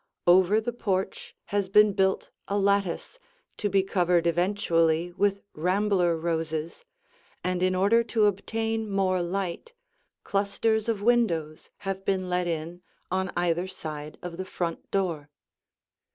Over the porch has been built a lattice to be covered eventually with rambler roses, and in order to obtain more light, clusters of windows have been let in on either side of the front door.